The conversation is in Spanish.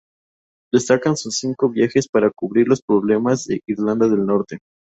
Destacan sus cinco viajes para cubrir los problemas de Irlanda del Norte.